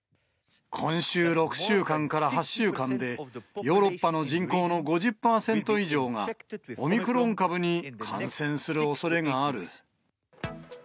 今後６週間から８週間で、ヨーロッパの人口の５０％以上が、オミクロン株に感染するおそれがある。